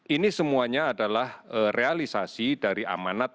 ini semuanya adalah realisasi dari amanat